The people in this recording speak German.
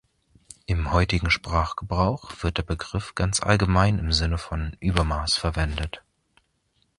Im heutigen Sprachgebrauch wird der Begriff ganz allgemein im Sinne von „Übermaß“ verwendet.